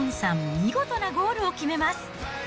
見事なゴールを決めます。